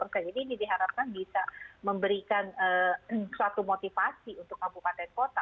jadi ini diharapkan bisa memberikan suatu motivasi untuk kabupaten kota